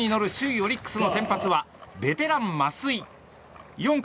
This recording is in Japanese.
オリックスの先発はベテラン、増井。